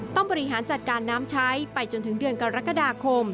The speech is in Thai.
บริหารจัดการน้ำใช้ไปจนถึงเดือนกรกฎาคม